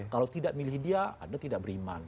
kalau tidak milih dia anda tidak beriman